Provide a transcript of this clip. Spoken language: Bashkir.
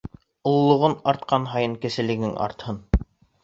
Ололоғоң артҡан һайын кеселегең артһын.